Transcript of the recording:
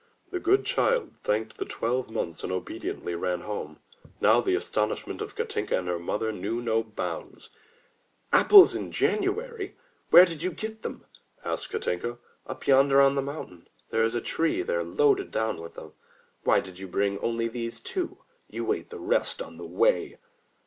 The good child thanked the Twelve Months and obediently ran back home. Now the astonishment of Katinka and her mother knew no bounds — "Apples in January! Where did you get them?" asked Katinka. "Up yonder on the mountain; there is a tree there loaded down with them." "Why did you bring only these two? You ate the rest on the way!"